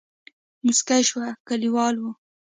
موسکۍ شوه کليوال وو.